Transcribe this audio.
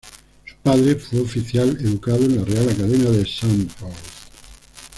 Su padre fue oficial educado en la Real Academia de Sandhurst.